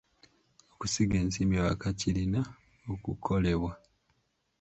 Okusiga ensimbi ewaka kirina okukolebwa.